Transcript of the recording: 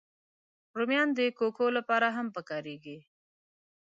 رومیان د کوکو لپاره هم کارېږي